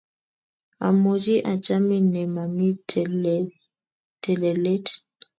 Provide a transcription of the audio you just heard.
Amuchi achamin ne mami telelet